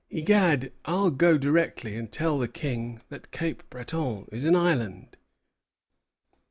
Egad! I'll go directly and tell the King that Cape Breton is an island.'"